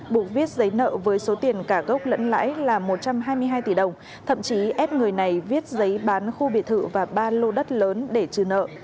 buộc viết giấy nợ với số tiền cả gốc lẫn lãi là một trăm hai mươi hai tỷ đồng thậm chí ép người này viết giấy bán khu biệt thự và ba lô đất lớn để trừ nợ